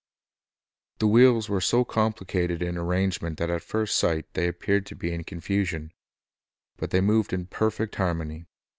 1 The wheels were so complicated in arrangement that at first sight they ■ appeared to be in confusion; but they moved in per fect harmony.